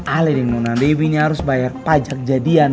alied yang menurut nona dewi ini harus bayar pajak jadian